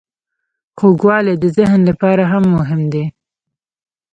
خوږوالی د ذهن لپاره هم مهم دی.